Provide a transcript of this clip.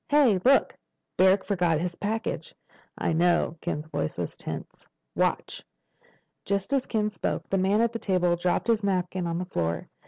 "Hey—look! Barrack forgot his package." "I know." Ken's voice was tense. "Watch." Just as Ken spoke, the man at the table dropped his napkin on the floor.